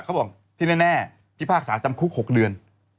เขาบอกที่แน่ที่ภาคศาสตร์จำคุก๖เดือน